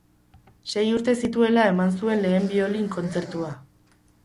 Sei urte zituela eman zuen lehen biolin-kontzertua.